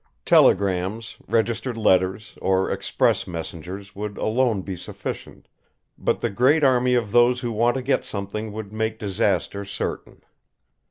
Telegrams, registered letters, or express messengers would alone be sufficient; but the great army of those who want to get something would make disaster certain.